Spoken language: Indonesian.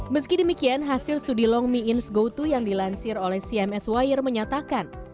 meski demikian hasil studi long mi ins gotu yang dilansir oleh cms wire menyatakan